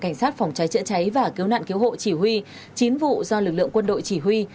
cảnh sát phòng cháy chữa cháy và cứu nạn cứu hộ chỉ huy chín vụ do lực lượng quân đội chỉ huy